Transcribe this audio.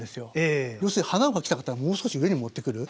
要するに花を描きたかったらもう少し上に持ってくる。